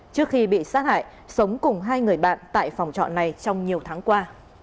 trước khi bị sát hại sống cùng hai người bạn tại phòng trọ này trong nhiều tháng qua